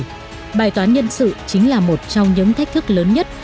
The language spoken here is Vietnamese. tuy nhiên bài toán nhân sự chính là một trong những thách thức lớn nhất